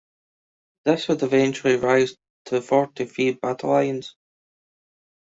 This would eventually rise to forty-three battalions.